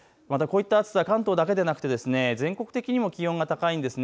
またこういった暑さは関東だけでなくて全国的にも気温が高いんです。